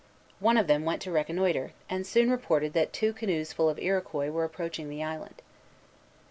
One of them went to reconnoitre, and soon reported that two canoes full of Iroquois were approaching the island.